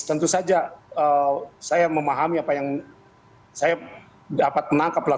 tentu saja saya memahami apa yang saya dapat menangkap lah